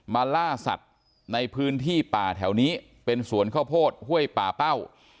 ล่าสัตว์ในพื้นที่ป่าแถวนี้เป็นสวนข้าวโพดห้วยป่าเป้า